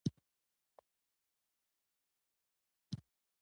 خوب د نفس د تازه کېدو سبب دی